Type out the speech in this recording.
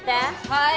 はい！